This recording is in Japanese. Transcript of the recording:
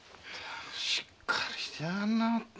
しっかりしてやがんな！